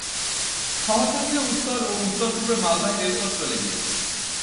শহর থেকে উত্তর ও উত্তর-পূর্বে মালবাহী রেলপথ চলে গিয়েছে।